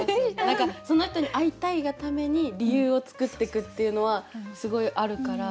何かその人にいたいがために理由を作ってくっていうのはすごいあるから。